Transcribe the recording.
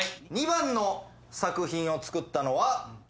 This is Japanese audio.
２番の作品を作ったのは。